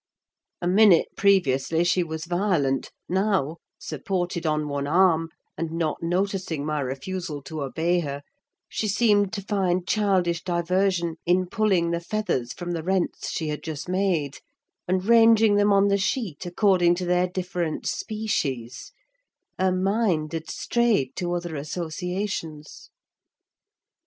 A minute previously she was violent; now, supported on one arm, and not noticing my refusal to obey her, she seemed to find childish diversion in pulling the feathers from the rents she had just made, and ranging them on the sheet according to their different species: her mind had strayed to other associations.